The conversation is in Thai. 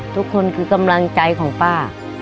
ทุกคนคือกำลังใจของป้า